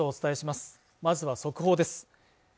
まずは速報です